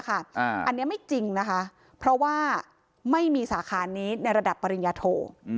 อันนี้ไม่จริงนะคะเพราะว่าไม่มีสาขานี้ในระดับปริญญาโท